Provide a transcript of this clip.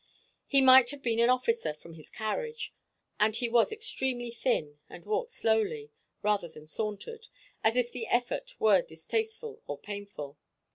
He might have been an officer, from his carriage, and he was extremely thin and walked slowly, rather than sauntered, as if the effort were distasteful or painful.